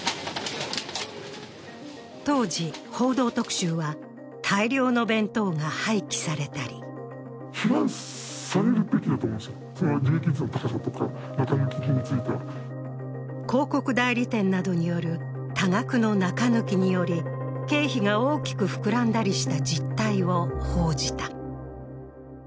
当時、「報道特集」は大量の弁当が廃棄されたり広告代理店などによる多額の中抜きにより、経費が大きく膨らんだりした実態を報じた。